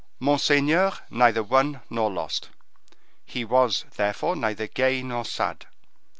Monseigneur neither won nor lost; he was, therefore, neither gay nor sad.